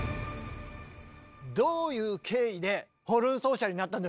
どういう経緯でホルン奏者になったんですか？